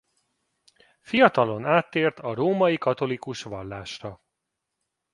Fiatalon áttért a római katolikus vallásra.